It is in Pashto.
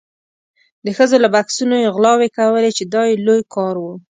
د ښځو له بکسونو یې غلاوې کولې چې دا یې لوی کار و.